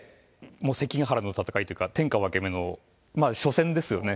関ヶ原の戦いというか、天下分け目の、初戦ですよね。